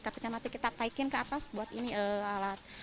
ketika nanti kita taikin ke atas buat ini alat